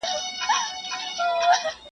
• پلاره هیڅ ویلای نه سمه کړېږم..